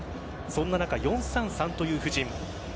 そんな中４−３−３という布陣。